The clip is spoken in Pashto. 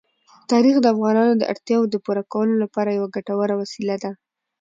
تاریخ د افغانانو د اړتیاوو د پوره کولو لپاره یوه ګټوره وسیله ده.